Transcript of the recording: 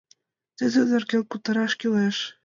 Тидын нерген кутыраш кӱлеш.